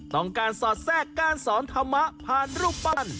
สอดแทรกการสอนธรรมะผ่านรูปปั้น